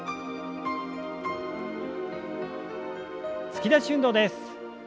突き出し運動です。